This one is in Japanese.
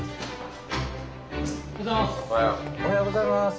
おはようございます。